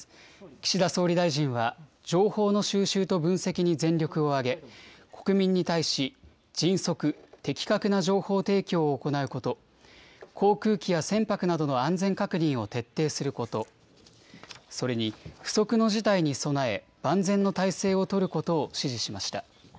岸田総理大臣は、情報の収集と分析に全力を挙げ、国民に対し、迅速、的確な情報提供を行うこと、航空機や船舶などの安全確認を徹底すること、それに不測の事態に備え、万全の態勢を取ることを指示しました。